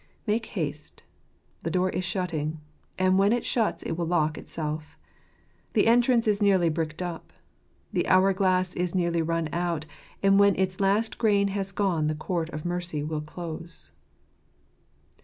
Make haste ! The door is shutting ; and when it shuts it will lock itself. The entrance is nearly bricked up. The hour glass is nearly run out, and when its last grain has gone the court of mercy will close.